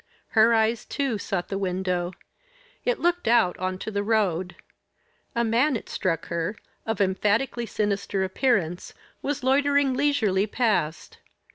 Her eyes, too, sought the window it looked out on to the road. A man, it struck her, of emphatically sinister appearance, was loitering leisurely past.